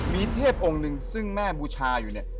มีเทพองค์หนึ่งซึ่งแม่บูชาอยู่เนี่ย